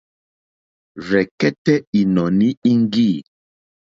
Rzɛ̀kɛ́tɛ́ ìnɔ̀ní íŋɡî.